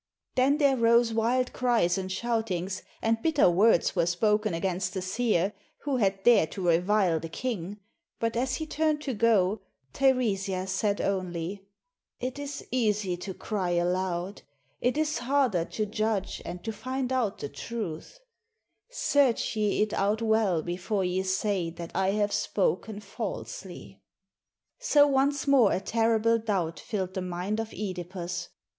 " Then there rose wild cries and shoutings, and bitter words were spoken against the seer, who had dared to revile the king; but as he turned to go, Teiresias said only, "It is easy to cry aloud; it is harder to judge and to find out the truth; search ye it out well before ye say that I have spoken falsely." So once more a terrible doubt filled the mind of (Edi pus.